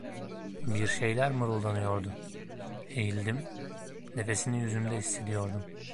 Bir şeyler mırıldanıyordu; eğildim, nefesini yüzümde hissediyordum.